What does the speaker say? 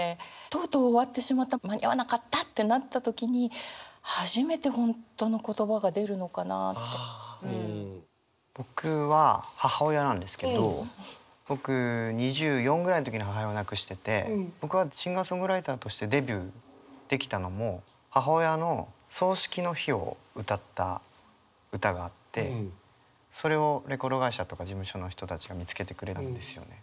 とうとう終わってしまった間に合わなかったってなった時に僕は母親なんですけど僕２４ぐらいの時に母親を亡くしてて僕はシンガーソングライターとしてデビューできたのも母親の葬式の日を歌った歌があってそれをレコード会社とか事務所の人たちが見つけてくれたんですよね。